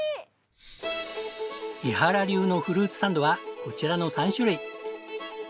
伊原流のフルーツサンドはこちらの３種類。